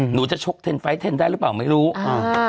หนูจะโชกได้รึเปล่าไม่รู้อ่า